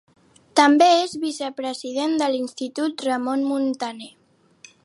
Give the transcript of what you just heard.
També és vicepresident de l'Institut Ramon Muntaner.